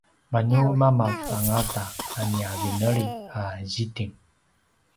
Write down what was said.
manu mamav angata a nia vineli a zitting